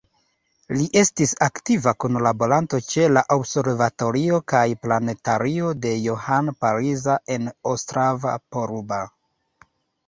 Li estis aktiva kunlaboranto ĉe la Observatorio kaj planetario de Johann Palisa en Ostrava-Poruba.